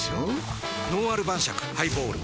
「のんある晩酌ハイボール」